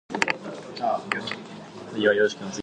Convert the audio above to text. It was the first game to be developed by Traveller's Tales.